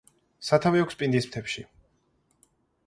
სათავე აქვს პინდის მთებში.